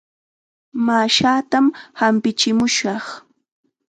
Mashaatam hampichimushaq.